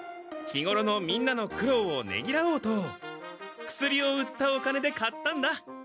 日ごろのみんなのくろうをねぎらおうと薬を売ったお金で買ったんだ。